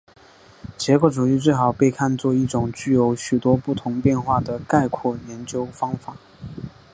结构主义最好被看作是一种具有许多不同变化的概括研究方法。